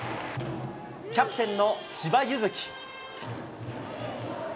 キャプテンの千葉ゆずき。